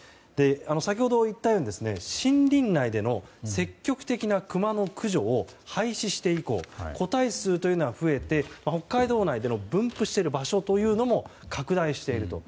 先ほど言ったように森林内での積極的なクマの駆除を廃止して以降個体数は増えて北海道内での分布している場所というのも拡大していると。